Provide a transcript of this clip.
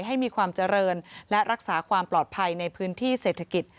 ให้มีความเจริญและรักษาความปลอดภัยในพื้นที่เศรษฐกิจ